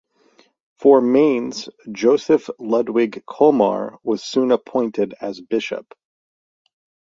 For Mainz, Joseph Ludwig Colmar was soon appointed as bishop.